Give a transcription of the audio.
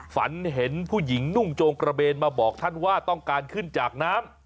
ฝันเห็นผู้หญิงนุ่งโจงกระเบนมาบอกท่านว่าต้องการขึ้นจากน้ำ